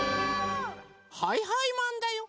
はいはいマンだよ！